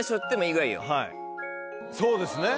そうですね！